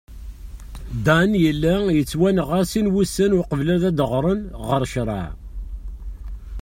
Dan yella yettwanɣa sin wussan uqbel ad d-aɣren ɣer ccreɛ.